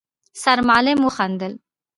سرمعلم وخندل: